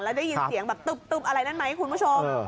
แล้วได้ยินเสียงแบบตึ๊บอะไรนั่นไหมคุณผู้ชม